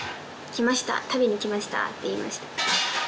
食べに来ましたって言いました